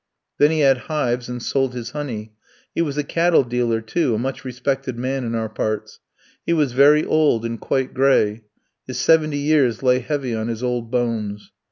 Then he had hives, and sold his honey; he was a cattle dealer too; a much respected man in our parts. He was very old and quite gray, his seventy years lay heavy on his old bones.